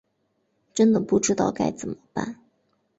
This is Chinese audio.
真的不知道该怎么办